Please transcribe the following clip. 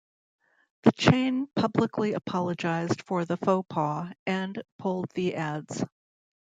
The chain publicly apologized for the "faux pas" and pulled the ads.